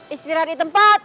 istirahat di tempat